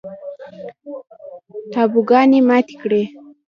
تابوگانې ماتې کړي